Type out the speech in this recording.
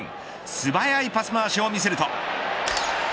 素早いパス回しを見せると。